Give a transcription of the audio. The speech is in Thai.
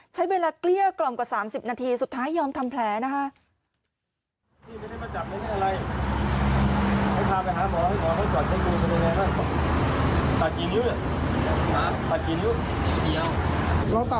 ใช้เวลาเกลี้ยกล่อมกว่าสามสิบนาทีสุดท้ายยอมทำแพ้นะคะ